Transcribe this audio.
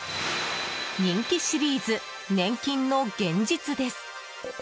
人気シリーズ、年金の現実です。